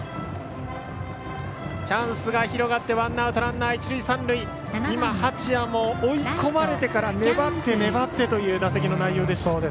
チャンスが広がってワンアウト、ランナー、一塁三塁八谷も追い込まれてから粘って粘ってという打席の内容でした。